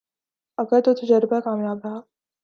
اگر تو تجربہ کامیاب رہا